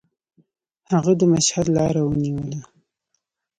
هغه د مشهد لاره ونیوله.